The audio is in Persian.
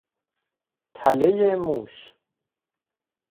تلهٔ موش